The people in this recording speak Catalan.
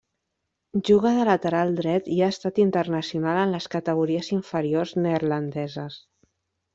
Juga de lateral dret i ha estat internacional en les categories inferiors neerlandeses.